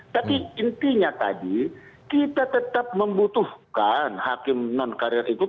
tapi intinya tadi kita tetap membutuhkan hakim non karier itu